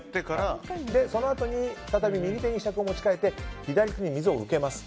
そのあとに再び右手にひしゃくを持ち替えて左手で水を受けます。